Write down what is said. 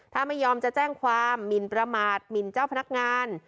ถ้าไม่ยอมจะแจ้งความหมินประมาทหมินเจ้าพนักงาน